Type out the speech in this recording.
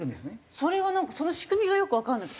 それはなんかその仕組みがよくわからなくて。